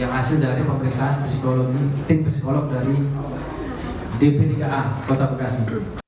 yang hasil dari pemeriksaan psikologi tim psikolog dari dpnika kota bekasi